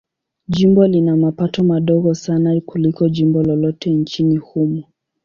Jimbo lina mapato madogo sana kuliko jimbo lolote nchini humo.